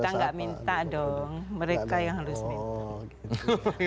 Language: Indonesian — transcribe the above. kita nggak minta dong mereka yang harus minta